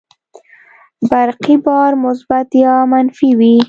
برقي بار مثبت یا منفي وي.